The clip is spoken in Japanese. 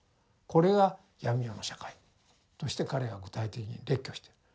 これが闇夜の社会として彼は具体的に列挙している。